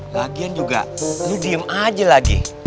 lagian juga diem aja lagi